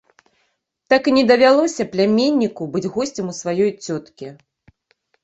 Так і не давялося пляменніку быць госцем у сваёй цёткі.